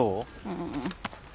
うん。